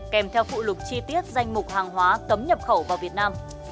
kèm theo phụ lục chi tiết danh mục hàng hóa cấm nhập khẩu vào việt nam